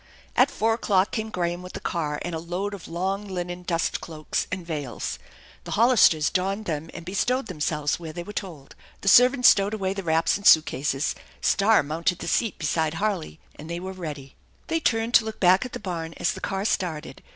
At four o'clock came Graham with the car and a load of long linen dust cloaks and veils. The Hollisters donned them and bestowed themselves where they were told. The servant stowed away the wraps and suitcases; Star mounted the seat beside Harley, ^nd they were ready. They turned to look back at the barn as the car started.